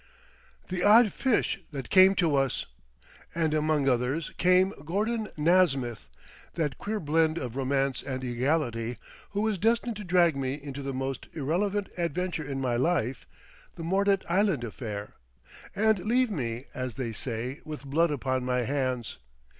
The odd fish that came to us! And among others came Gordon Nasmyth, that queer blend of romance and illegality who was destined to drag me into the most irrelevant adventure in my life the Mordet Island affair; and leave me, as they say, with blood upon my hands.